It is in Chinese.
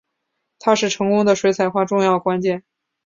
它是成功的水彩画重要关键。